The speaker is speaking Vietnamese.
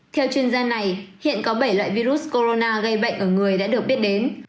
theo chuyên gia này hiện có bảy loại virus corona gây bệnh ở người đã được biết đến